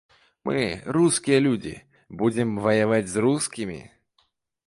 Мы, рускія людзі, будзем ваяваць з рускімі?